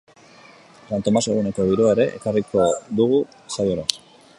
Santomas eguneko giroa ere ekarriko dugu saiora.